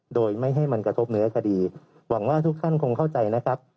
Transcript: โดยไม่ให้มันกระทบเนื้อคดีหวังว่าทุกท่านคงเข้าใจนะครับ